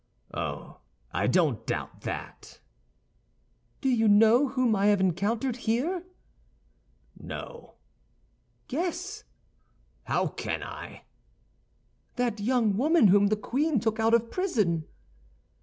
"Oh, I don't doubt that." "Do you know whom I have encountered here?" "No." "Guess." "How can I?" "That young woman whom the queen took out of prison."